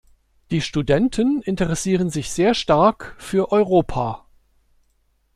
Die Studenten interessieren sich sehr stark für Europa.